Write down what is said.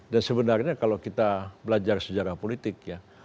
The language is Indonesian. dan sebenarnya kalau kita belajar sejarah politik